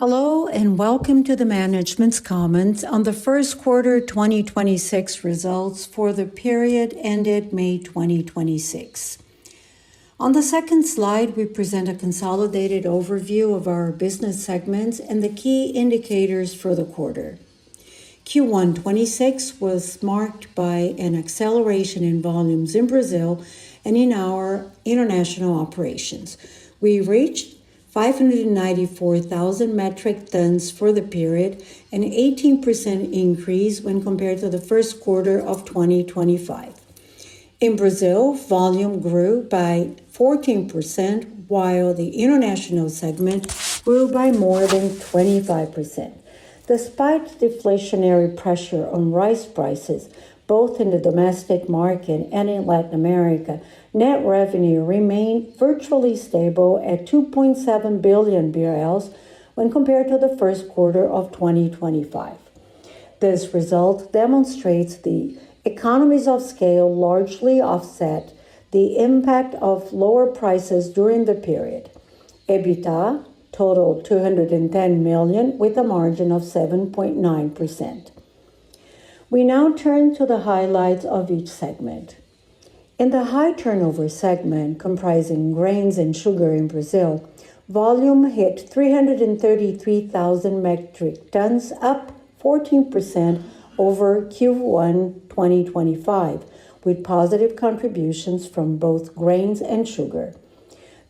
Hello, welcome to the management's comments on the first quarter 2026 results for the period ended May 2026. On the second slide, we present a consolidated overview of our business segments and the key indicators for the quarter. Q1 2026 was marked by an acceleration in volumes in Brazil and in our international operations. We reached 594,000 metric tons for the period, an 18% increase when compared to the first quarter of 2025. In Brazil, volume grew by 14%, while the international segment grew by more than 25%. Despite deflationary pressure on rice prices, both in the domestic market and in Latin America, net revenue remained virtually stable at 2.7 billion BRL when compared to the first quarter of 2025. This result demonstrates the economies of scale largely offset the impact of lower prices during the period. EBITDA totaled 210 million, with a margin of 7.9%. We now turn to the highlights of each segment. In the high-turnover segment, comprising grains and sugar in Brazil, volume hit 333,000 metric tons, up 14% over Q1 2025, with positive contributions from both grains and sugar.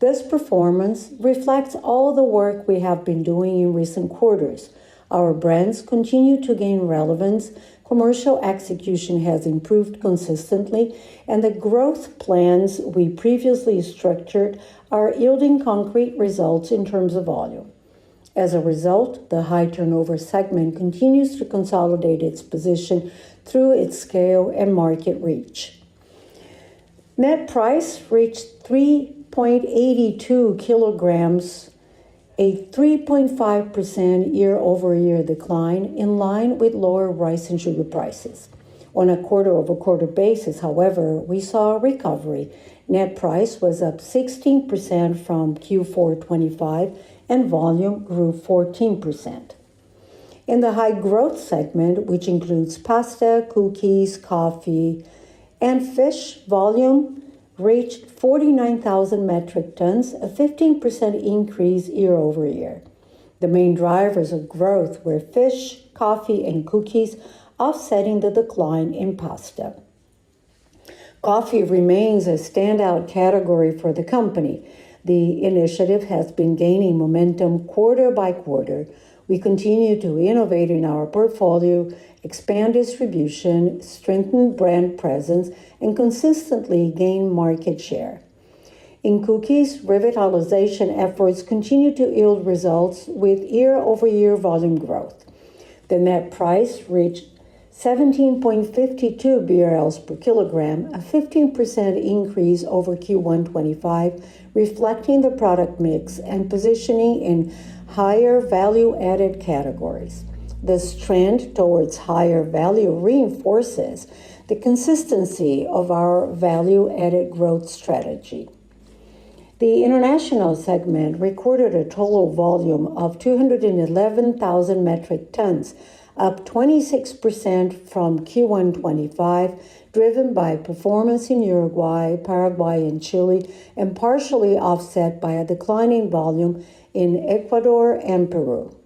This performance reflects all the work we have been doing in recent quarters. Our brands continue to gain relevance, commercial execution has improved consistently, and the growth plans we previously structured are yielding concrete results in terms of volume. As a result, the high-turnover segment continues to consolidate its position through its scale and market reach. Net price reached 3.82 kg, a 3.5% year-over-year decline in line with lower rice and sugar prices. On a quarter-over-quarter basis, however, we saw a recovery. Net price was up 16% from Q4 2025, and volume grew 14%. In the high-growth segment, which includes pasta, biscuits, coffee, and fish volume reached 49,000 metric tons, a 15% increase year-over-year. The main drivers of growth were fish, coffee, and biscuits, offsetting the decline in pasta. Coffee remains a standout category for the company. The initiative has been gaining momentum quarter by quarter. We continue to innovate in our portfolio, expand distribution, strengthen brand presence, and consistently gain market share. In biscuits, revitalization efforts continue to yield results with year-over-year volume growth. The net price reached 17.52 BRL /kg, a 15% increase over Q1 2025, reflecting the product mix and positioning in higher value-added categories. This trend towards higher value reinforces the consistency of our value-added growth strategy. The international segment recorded a total volume of 211,000 metric tons, up 26% from Q1 2025, driven by performance in Uruguay, Paraguay, and Chile, and partially offset by a decline in volume in Ecuador and Peru.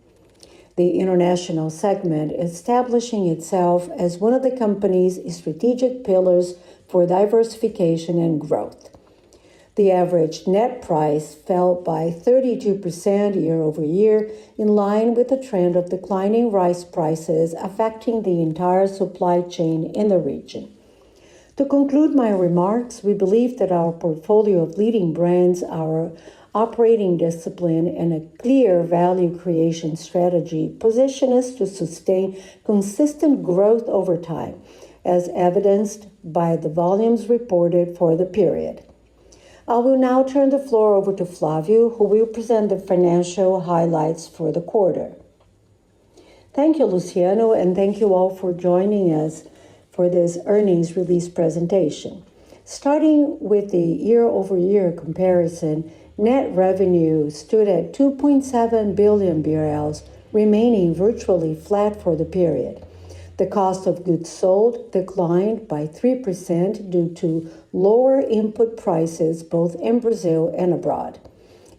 The international segment establishing itself as one of the company's strategic pillars for diversification and growth. The average net price fell by 32% year-over-year, in line with the trend of declining rice prices affecting the entire supply chain in the region. To conclude my remarks, we believe that our portfolio of leading brands, our operating discipline, and a clear value creation strategy position us to sustain consistent growth over time, as evidenced by the volumes reported for the period. I will now turn the floor over to Flavio, who will present the financial highlights for the quarter. Thank you, Luciano, and thank you all for joining us for this earnings release presentation. Starting with the year-over-year comparison, net revenue stood at 2.7 billion BRL, remaining virtually flat for the period. The cost of goods sold declined by 3% due to lower input prices both in Brazil and abroad.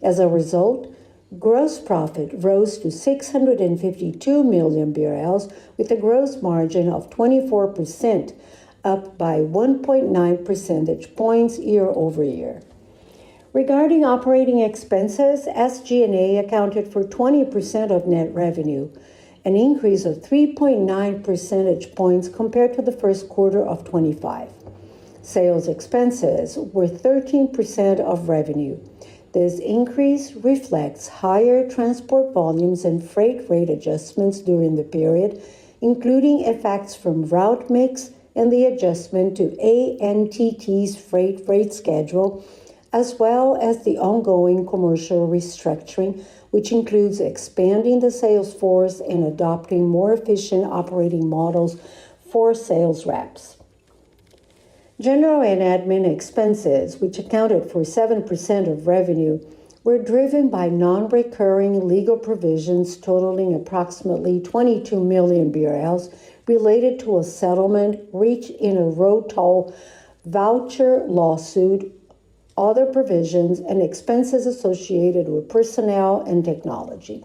As a result, gross profit rose to 652 million BRL with a gross margin of 24%, up by 1.9 percentage points year-over-year. Regarding operating expenses, SG&A accounted for 20% of net revenue, an increase of 3.9 percentage points compared to the first quarter of 2025. Sales expenses were 13% of revenue. This increase reflects higher transport volumes and freight rate adjustments during the period, including effects from route mix and the adjustment to ANTT's freight rate schedule, as well as the ongoing commercial restructuring, which includes expanding the sales force and adopting more efficient operating models for sales reps. General and admin expenses, which accounted for 7% of revenue, were driven by non-recurring legal provisions totaling approximately 22 million BRL, related to a settlement reached in a road toll voucher lawsuit, other provisions, and expenses associated with personnel and technology.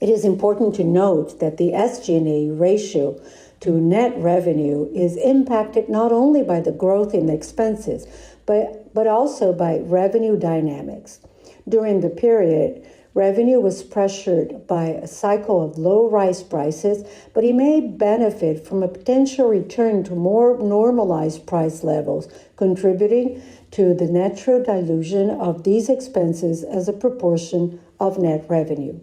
It is important to note that the SG&A ratio to net revenue is impacted not only by the growth in expenses, but also by revenue dynamics. During the period, revenue was pressured by a cycle of low rice prices, but it may benefit from a potential return to more normalized price levels, contributing to the natural dilution of these expenses as a proportion of net revenue.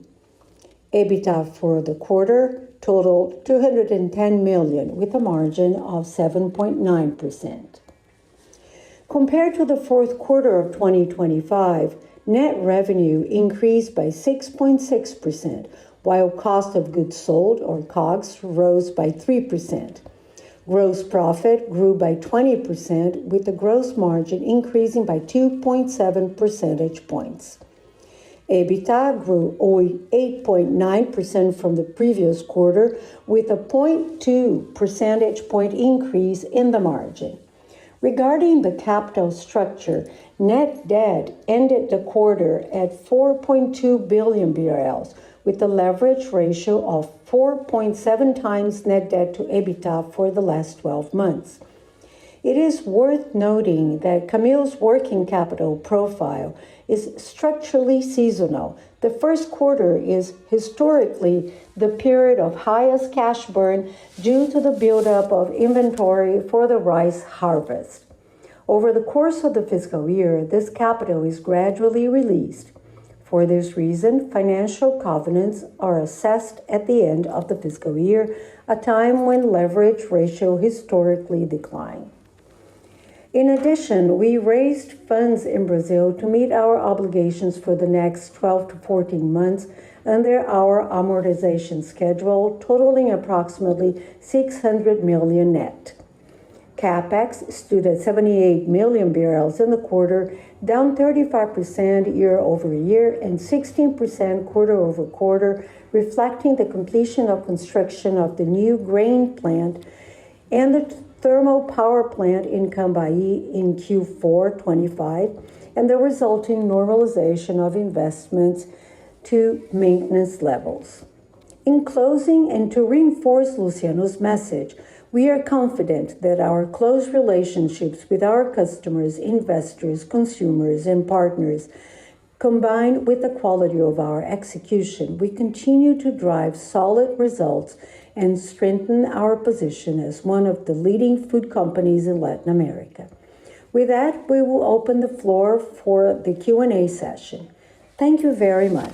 EBITDA for the quarter totaled 210 million, with a margin of 7.9%. Compared to the fourth quarter of 2025, net revenue increased by 6.6%, while cost of goods sold, or COGS, rose by 3%. Gross profit grew by 20%, with the gross margin increasing by 2.7 percentage points. EBITDA grew 8.9% from the previous quarter, with a 0.2 percentage point increase in the margin. Regarding the capital structure, Net Debt ended the quarter at 4.2 billion BRL, with a leverage ratio of 4.7x Net Debt to EBITDA for the last 12 months. It is worth noting that Camil's working capital profile is structurally seasonal. The first quarter is historically the period of highest cash burn due to the buildup of inventory for the rice harvest. Over the course of the fiscal year, this capital is gradually released. For this reason, financial covenants are assessed at the end of the fiscal year, a time when leverage ratios historically decline. In addition, we raised funds in Brazil to meet our obligations for the next 12 to 14 months under our amortization schedule, totaling approximately 600 million net. CapEx stood at 78 million in the quarter, down 35% year-over-year and 16% quarter-over-quarter, reflecting the completion of construction of the new grains plant and the biomass-fired power plant in Cambaí in Q4 2025, and the resulting normalization of investments to maintenance levels. In closing, and to reinforce Luciano's message, we are confident that our close relationships with our customers, investors, consumers, and partners, combined with the quality of our execution, will continue to drive solid results and strengthen our position as one of the leading food companies in Latin America. With that, we will open the floor for the Q&A session. Thank you very much.